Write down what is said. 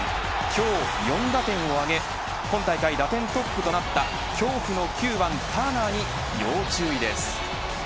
今日４打点を挙げ今大会打点トップとなった恐怖の９番ターナーに要注意です。